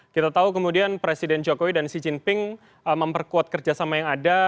kita tahu kemudian presiden jokowi dan xi jinping memperkuat kerjasama yang ada